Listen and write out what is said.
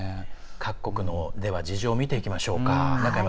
各国では事情を見ていきましょうか。